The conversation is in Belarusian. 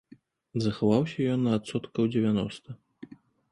Захаваўся ён на адсоткаў дзевяноста.